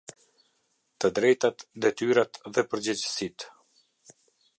Të drejtat, detyrat dhe përgjegjësitë.